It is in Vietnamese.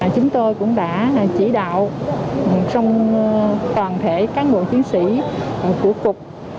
chúng tôi cũng đã chỉ đạo trong toàn thể các nguồn chiến sĩ của cục